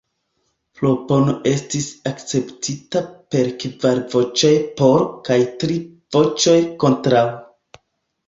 Propono estis akceptita per kvar voĉoj "por" kaj tri voĉoj "kontraŭ".